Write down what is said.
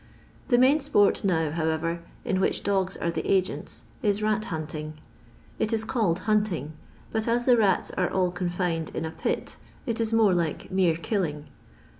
The main sport now, howerer, in which dogi are the agenU is rat hunting. It is called bantings but as the raU are all confined in a pit it U men like mere killing.